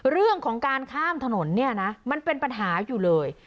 เรื่องของการข้ามถนนเนี่ยนะมันเป็นปัญหาอยู่เลย